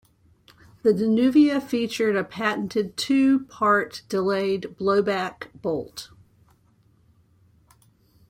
The Danuvia featured a patented two-part delayed blowback bolt.